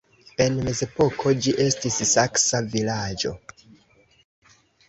En mezepoko ĝi estis saksa vilaĝo.